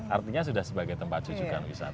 artinya sudah sebagai tempat tujuan wisata